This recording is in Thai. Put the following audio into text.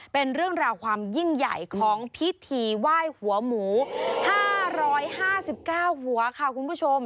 เป็นเรื่องราวความยิ่งใหญ่ของพิธีไหว้หัวหมู๕๕๙หัวค่ะคุณผู้ชม